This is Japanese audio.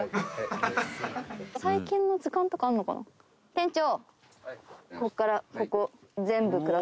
店長。